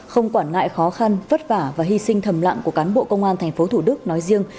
không quản ngại khó khăn vất vả và hy sinh thầm lặng của cán bộ công an tp thủ đức nói riêng